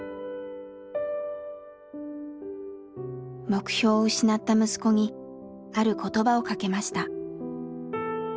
目標を失った息子にある言葉をかけました。